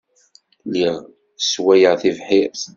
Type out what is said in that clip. Lliɣ sswayeɣ tibḥirt.